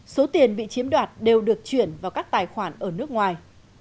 số tiền bị chiếm đoạt đều được chuyển vào các tài khoản ở nước ngoài